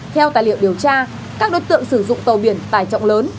theo tài liệu điều tra các đối tượng sử dụng tàu biển tải trọng lớn